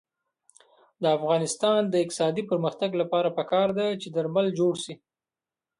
د افغانستان د اقتصادي پرمختګ لپاره پکار ده چې درمل جوړ شي.